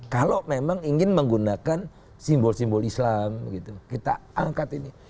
kalau memang ingin menggunakan simbol simbol islam kita angkat ini